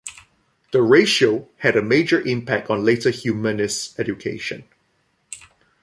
The "Ratio" had a major impact on later humanist education.